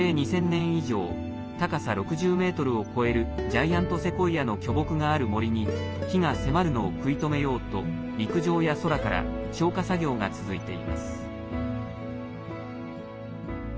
２０００年以上高さ６０ｍを超えるジャイアントセコイアの巨木がある森に火が迫るのを食い止めようと陸上や空から消火作業が続いています。